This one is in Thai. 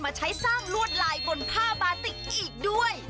ใช้สร้างลวดลายบนผ้าบาติกอีกด้วย